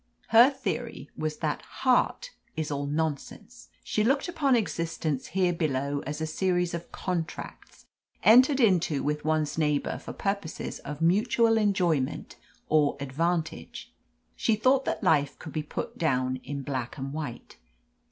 Her theory was that "heart" is all nonsense. She looked upon existence here below as a series of contracts entered into with one's neighbour for purposes of mutual enjoyment or advantage. She thought that life could be put down in black and white.